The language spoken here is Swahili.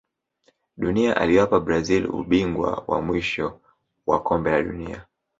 dunia aliwapa brazil ubingwa wa mwisho wa kombe la dunia